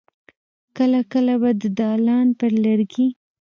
کله کله به د دالان پر لرګي.